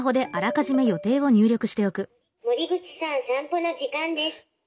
「森口さん散歩の時間です」。